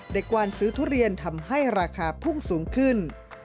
กวานซื้อทุเรียนทำให้ราคาพุ่งสูงขึ้น